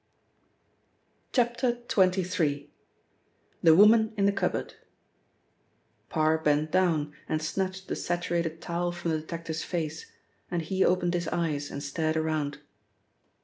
XXIII. — THE WOMAN IN THE CUPBOARD PARR bent down, and snatched the saturated towel from the detective's face, and he opened his eyes, and stared around.